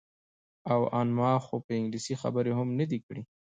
او ان ما خو په انګلیسي خبرې هم نه دي کړې.